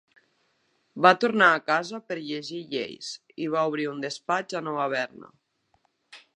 Va tornar a casa per llegir lleis i va obrir un despatx a Nova Berna.